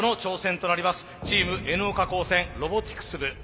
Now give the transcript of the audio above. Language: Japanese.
チームＮ岡高専ロボティクス部。